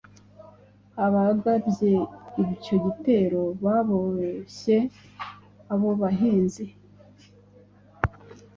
Abagabye icyo gitero baboshye abo bahinzi